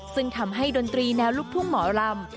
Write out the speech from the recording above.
ซึ่งทำให้ดนตรีแนวลูกทุ่งหมอลำ